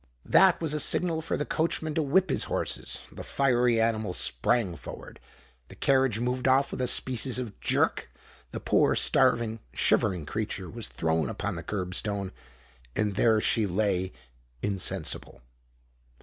That was a signal for the coachman to whip his horses: the fiery animals sprang forward—the carriage moved off with a species of jerk—the poor starving, shivering creature was thrown upon the kerb stone—and there she lay insensible.